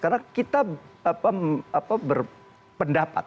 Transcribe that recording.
karena kita berpendapat